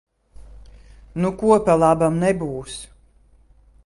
Nu ko, pa labam nebūs.